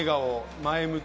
前向き。